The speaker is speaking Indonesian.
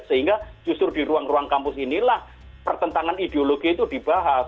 sehingga justru di ruang ruang kampus inilah pertentangan ideologi itu dibahas